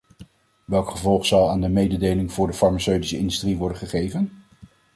Welk gevolg zal aan de mededeling voor de farmaceutische industrie worden gegeven?